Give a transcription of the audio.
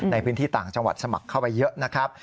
ในพื้นที่ต่างจังหวัดสมัครเข้าไปเยอะนะครับ